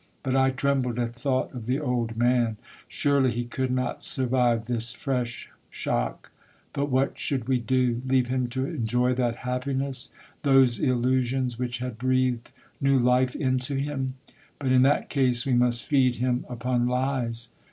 But I trembled at thought of the old man. Surely he could not survive this fresh shock. But what should we do? Leave him to enjoy that happiness, those illusions which had breathed new life into him? But in that case we must feed him upon lies.